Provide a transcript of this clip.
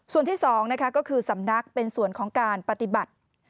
ส่วนที่๒ก็คือสำนักเป็นส่วนของการปฏิบัติ